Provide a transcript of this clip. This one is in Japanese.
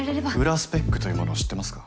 裏スペックというものを知ってますか？